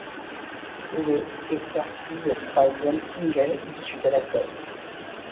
Le est sorti le troisième single issu de l'album.